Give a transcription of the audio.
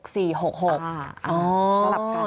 อ๋อสลับกัน